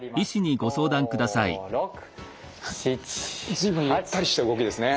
随分ゆったりした動きですね。